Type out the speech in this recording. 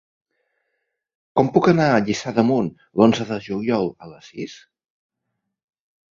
Com puc anar a Lliçà d'Amunt l'onze de juliol a les sis?